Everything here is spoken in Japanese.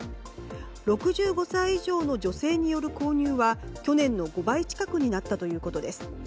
６５歳以上の女性による購入は去年の５倍近くになったということです。